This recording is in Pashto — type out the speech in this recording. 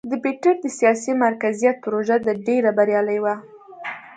د پیټر د سیاسي مرکزیت پروژه تر ډېره بریالۍ وه.